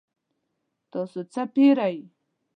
تاسو څه پیرئ؟